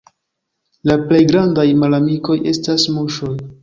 La plej grandaj malamikoj estas muŝoj.